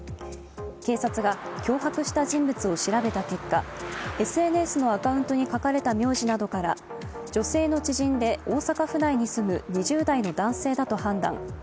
警察が脅迫した人物を調べた結果ＳＮＳのアカウントに書かれた名字などから女性の知人で大阪府内に住む２０代の男性だと判断。